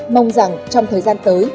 mong rằng trong thời gian tới